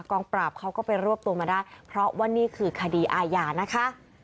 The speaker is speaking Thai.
กองปราบเขาก็ไปรวบตัวมาได้เพราะว่านี่คือคดีอาญานะคะ